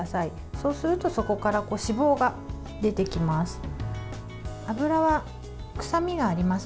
そうするとそこから脂肪が出てきます。